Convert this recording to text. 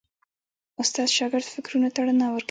استاد د شاګرد فکرونو ته رڼا ورکوي.